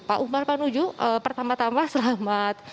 pak umar panuju pertama tama selamat